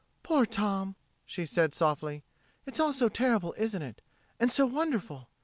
"Poor Tom!" she said softly. "It's all so terrible, isn't it? And so wonderful!